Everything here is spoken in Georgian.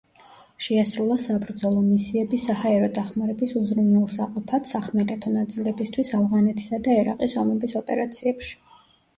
შეასრულა საბრძოლო მისიები საჰაერო დახმარების უზრუნველსაყოფად სახმელეთო ნაწილებისთვის ავღანეთისა და ერაყის ომების ოპერაციებში.